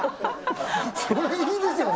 それいいですよね